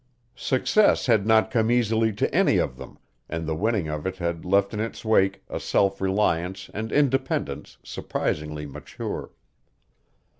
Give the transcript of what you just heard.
Success had not come easily to any of them, and the winning of it had left in its wake a self reliance and independence surprisingly mature.